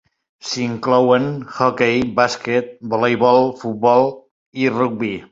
S'hi inclouen: hoquei, bàsquet, voleibol, futbol i rugbi.